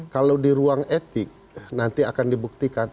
kalau di ruang etik nanti akan dibuktikan